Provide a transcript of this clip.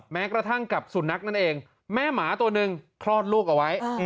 แม้กระทั่งกับสุนัขนั่นเองแม่หมาตัวหนึ่งคลอดลูกเอาไว้